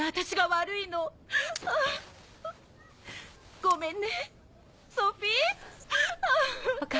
ごめんね。